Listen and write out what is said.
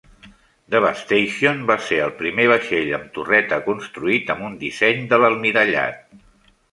"Devastation" va ser el primer vaixell amb torreta construït amb un disseny de l'Almirallat.